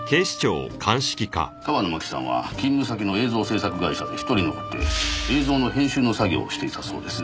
川野麻紀さんは勤務先の映像制作会社で１人残って映像の編集の作業をしていたそうです。